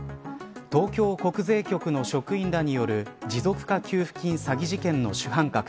東京国税局の職員らによる持続化給付金詐欺事件の主犯格。